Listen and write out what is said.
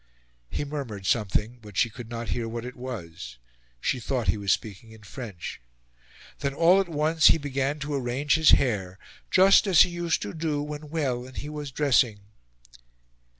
He murmured something, but she could not hear what it was; she thought he was speaking in French. Then all at once he began to arrange his hair, "just as he used to do when well and he was dressing."